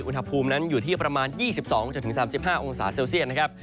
อุณหภูมินั้นอยู่ที่ประมาณ๒๒๓๕องศาเซลเซียตนะครับ